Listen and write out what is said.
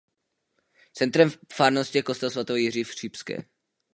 Centrem farnosti je kostel svatého Jiří v Chřibské.